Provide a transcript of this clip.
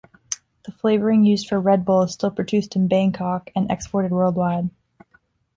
The flavouring used for Red Bull is still produced in Bangkok and exported worldwide.